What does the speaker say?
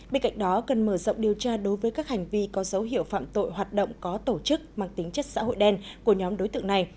bên cạnh đó cần mở rộng điều tra đối với các hành vi có dấu hiệu phạm tội hoạt động có tổ chức mang tính chất xã hội đen của nhóm đối tượng này